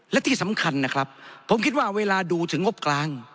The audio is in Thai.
และที่สำคัญนะครับผมคิดว่าเวลาดูถึงงบกลาง